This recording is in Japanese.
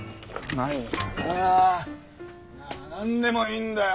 なあ何でもいいんだよ。